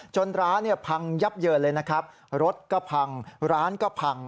ร้านเนี่ยพังยับเยินเลยนะครับรถก็พังร้านก็พัง